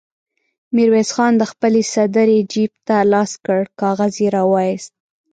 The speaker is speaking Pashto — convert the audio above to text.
ميرويس خان د خپلې سدرۍ جېب ته لاس کړ، کاغذ يې را وايست.